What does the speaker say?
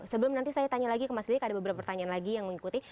sebelum nanti saya tanya lagi ke mas lilik ada beberapa pertanyaan lagi yang mengikuti